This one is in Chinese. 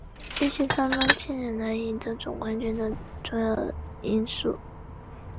亦是他们近年来赢得总冠军的重要因素。